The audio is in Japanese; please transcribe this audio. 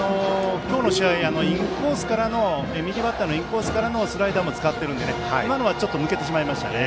今日の試合、右バッターのインコースからのスライダーも使っているので今のは抜けてしまいましたね。